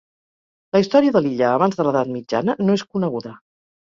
La història de l'illa abans de l'edat mitjana no és coneguda.